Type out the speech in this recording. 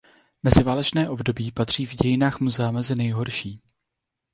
Meziválečné období patří v dějinách muzea mezi nejhorší.